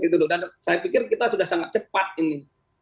dan saya pikir kita sudah sangat cepat ini